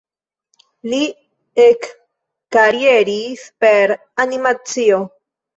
Li ekkarieris per animacio.